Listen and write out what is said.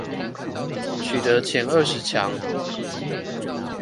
取得前二十強